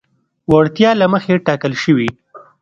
وړتیا له مخې ټاکل شوي.